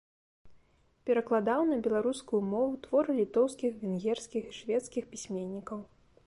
Перакладаў на беларускую мову творы літоўскіх, венгерскіх і шведскіх пісьменнікаў.